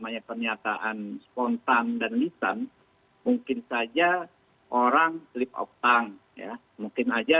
maka jika tidak ada pertanyaan atau negatif maka tidak akan terjadi apa yang waarin tearsih